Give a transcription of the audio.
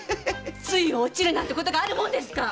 「つい落ちる」なんてあるもんですか！